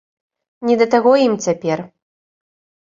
Не да таго ім цяпер.